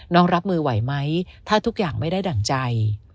รับมือไหวไหมถ้าทุกอย่างไม่ได้ดั่งใจ